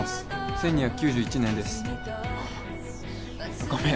１２９１年ですあッごめん